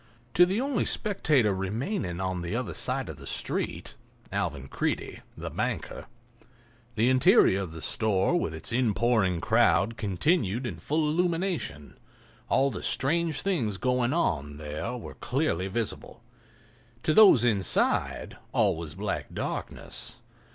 To the only spectator remaining on the other side of the street—Alvan Creede, the banker—the interior of the store with its inpouring crowd continued in full illumination; all the strange things going on there were clearly visible. To those inside all was black darkness.